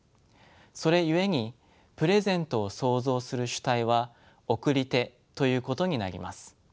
それゆえにプレゼントを創造する主体は送り手ということになります。